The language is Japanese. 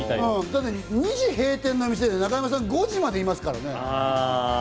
だって２時閉店の店で中山さん、５時までいますからね。